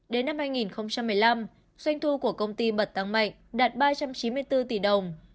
đến năm hai nghìn một mươi năm doanh thu của công ty bật tăng mạnh đạt ba trăm chín mươi bốn tỷ đồng